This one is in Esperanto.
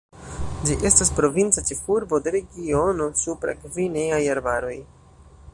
Ĝi estas provinca ĉefurbo de regiono Supra-Gvineaj arbaroj.